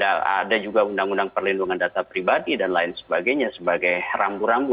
ya ada juga perlindungan perlindung data pribadi dan lain sebagainya sebagai rambu dambu